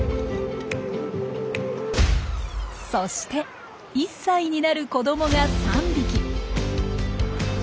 そして１歳になる子どもが３匹。